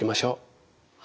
はい。